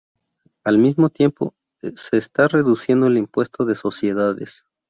Al mismo tiempo, se está reduciendo el impuesto de sociedades.